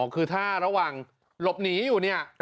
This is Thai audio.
คือถ้าระหว่างหลบหนีอยู่เนี่ย